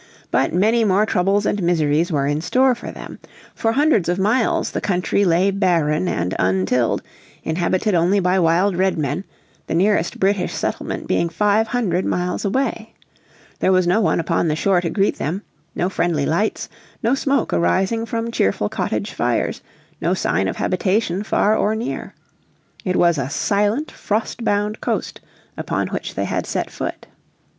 But many more troubles and miseries were in store for them. For hundreds of miles the country lay barren and untilled, inhabited only by wild Redmen, the nearest British settlement being five hundred miles away. There was no one upon the shore to greet them, no friendly lights, no smoke arising from cheerful cottage fires, no sign of habitation far or near. It was a silent frost bound coast upon which they had set foot.